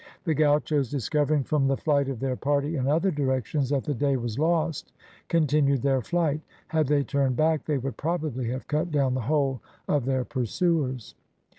The gauchos, discovering from the flight of their party in other directions that the day was lost, continued their flight: had they turned back, they would probably have cut down the whole of their pursuers.